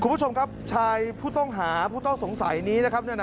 คุณผู้ชมครับชายผู้ต้องหาผู้ต้องสงสัยนี้นะครับ